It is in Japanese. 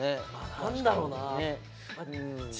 何だろうな。